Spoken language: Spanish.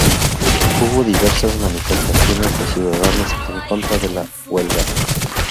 Hubo diversas manifestaciones de ciudadanos en contra de la huelga.